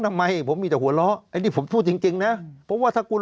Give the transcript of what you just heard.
ทำไมผมมีแต่หัวล้อไอ้นี้ผมพูดจริงนะเพราะว่าถ้าคุณ